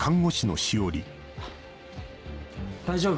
大丈夫？